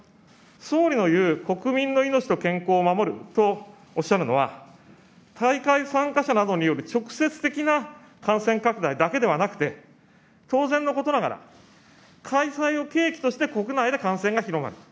総理の言う国民の命と健康を守るとおっしゃるのは、大会参加者などによる直接的な感染拡大だけではなくて、当然のことながら、開催を契機として国内で感染が広がる。